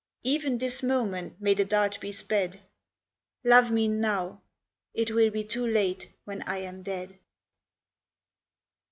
Even this moment may the dart be sped. Love me now ! It will be too late when I am dead